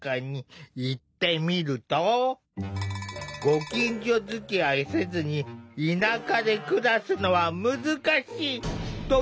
ご近所づきあいせずに田舎で暮らすのは難しいという回答が。